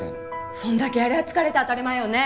そんだけやりゃあ疲れて当たり前よね。